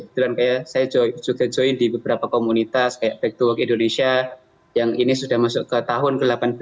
kebetulan kayak saya juga join di beberapa komunitas kayak black to work indonesia yang ini sudah masuk ke tahun ke delapan belas